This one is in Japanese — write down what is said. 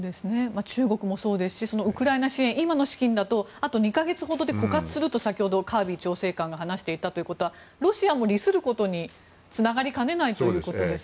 中国もそうですしウクライナ支援、今の資金だとあと２か月ほどで枯渇すると先ほどカービー調整官が話していたということはロシアを利することにつながりかねないということですよね。